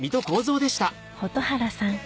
蛍原さん